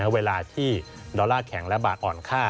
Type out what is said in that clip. เวลาที่ดอลลาร์แข็งและบาทอ่อนค่า